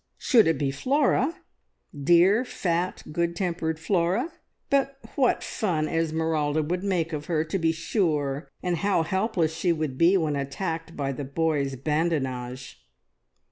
Should it be Flora dear, fat, good tempered Flora? But what fun Esmeralda would make of her, to be sure, and how helpless she would be when attacked by the boys' badinage!